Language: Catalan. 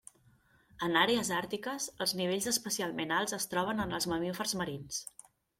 En àrees àrtiques, els nivells especialment alts es troben en els mamífers marins.